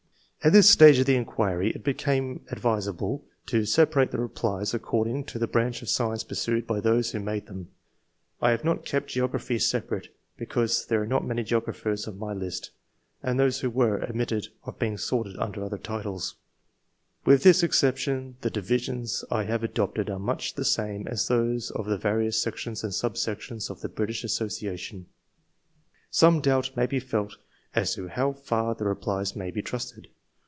At this stage of the inquiry it becomes ad visable to separate the replies according to the hniiuOi of science pursued by those who made llioiii. I have not kept geography separate, be y^\m Ibew are not many geographers on my III.] ORIGIN OF TASTE FOR SCIENCE. 147 list, and those who were, admitted of being sorted under other titles. With this exception the divisions I have adopted are much the same as those of the various Sections and Sub sections of the British Association. Some doubt may be felt as to how far the replies may be trusted.